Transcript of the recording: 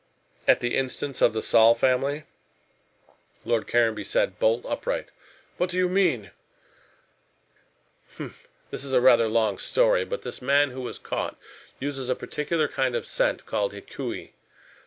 "At the instance of the Saul family?" Lord Caranby sat bolt upright. "What do you mean?" "Humph! It is rather a long story. But this man who was caught used a particular kind of scent called Hikui.